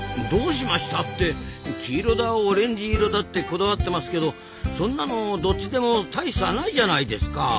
どうしましたって「黄色だオレンジ色だ」ってこだわってますけどそんなのどっちでも大差ないじゃないですか。